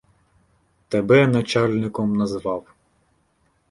Тебе начальником назвав.